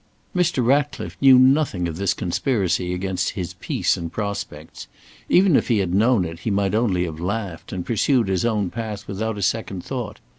Mr. Ratcliffe knew nothing of this conspiracy against his peace and prospects. Even if he had known it, he might only have laughed, and pursued his own path without a second thought.